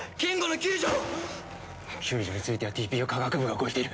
救助についてはＴＰＵ化学部が動いている。